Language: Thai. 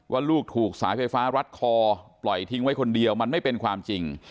ว่าลูกถูกสายไฟฟ้ารัดคอปล่อยทิ้งไว้คนเดียวมันไม่เป็นความจริง